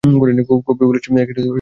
কবে বলেছি, বাবা?